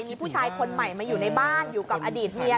พี่ปุฏิสไขมีคนใหม่มาอยู่ในบ้านอยู่กับอดีตเมีย